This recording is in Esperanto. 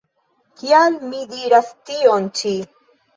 Kial mi diras tion ĉi?